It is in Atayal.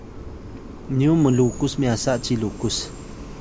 nyu mlukus myasa ci lukus